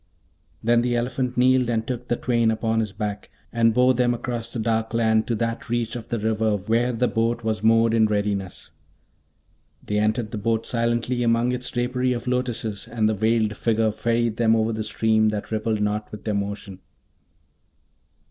Then the elephant kneeled and took the twain upon his back, and bore them across the dark land to that reach of the river where the boat was moored in readiness. They entered the boat silently among its drapery of lotuses, and the Veiled Figure ferried them over the stream that rippled not with their motion.